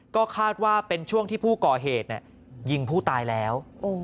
ก็คาดว่าเป็นช่วงที่ผู้ก่อเหตุยิงผู้ตายแล้ว